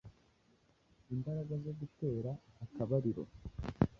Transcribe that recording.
imbaraga zo gutera akabariro.